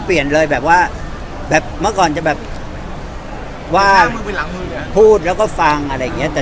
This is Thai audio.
แต่แสดง๒ปีพี่ผ่านมาตั้งแต่วันขิงใจมีปัญหานี่เข้ามาเขาก็เปลี่ยนไป